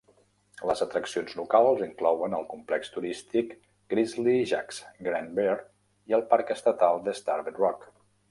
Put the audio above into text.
Les atraccions locals inclouen el complex turístic Grizzly Jack's Grand Bear i el parc estatal de Starved Rock.